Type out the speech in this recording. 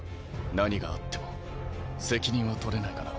何があっても責任は取れないがな。